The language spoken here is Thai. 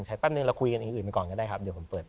แป๊บนึงเราคุยกันอย่างอื่นไปก่อนก็ได้ครับเดี๋ยวผมเปิด